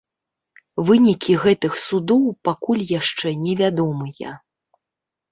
Вынікі гэтых судоў пакуль яшчэ не вядомыя.